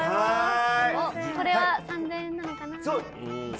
これは３，０００円なのかな？